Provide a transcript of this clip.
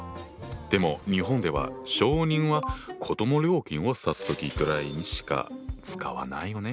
でも日本では小人は子ども料金を指す時ぐらいにしか使わないよね？